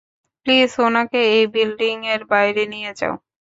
Please, উনাকে এই building এর বাহিরে নিয়ে যাও।